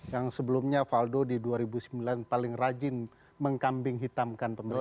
yang sebelumnya valdo di dua ribu sembilan paling rajin mengkambing hitamkan pemerintah